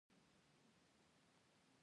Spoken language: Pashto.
ځنګل د نباتاتو لويه ټولنه ده